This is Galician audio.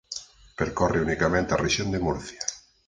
Percorre unicamente a Rexión de Murcia.